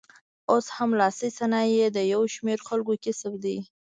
اوس هم لاسي صنایع د یو شمېر خلکو کسب دی.